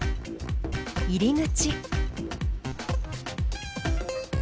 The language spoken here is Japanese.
入り口。